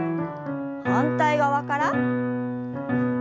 反対側から。